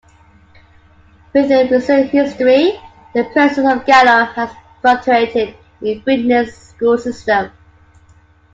Within recent history, the presence of Gallo has fluctuated in Brittany's school system.